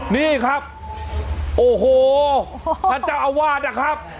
นี่ครับโอ้โหท่านเจ้าอาวาสนะครับ